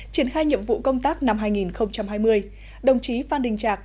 triển khai nhiệm vụ công tác năm hai nghìn hai mươi đồng chí phan đình trạc